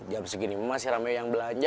jam segini masih ramai yang belanja